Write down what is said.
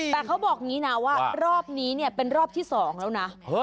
แต่เขาบอกว่ารอบนี้เป็นรอบที่๒แล้วนะ